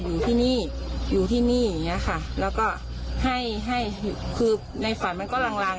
อยู่ที่นี่อยู่ที่นี่อย่างเงี้ยค่ะแล้วก็ให้ให้คือในฝันมันก็ลัง